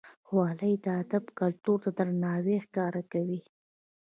خولۍ د ادب کلتور ته درناوی ښکاره کوي.